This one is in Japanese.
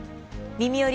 「みみより！